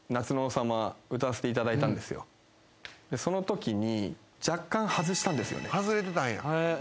そのときに。